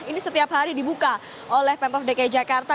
ini setiap hari dibuka oleh pemprov dki jakarta